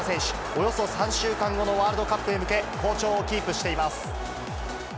およそ３週間後のワールドカップへ向け、好調をキープしています。